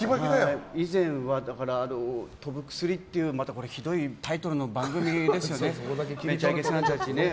以前は「とぶくすり」っていうひどいタイトルの番組ですよね。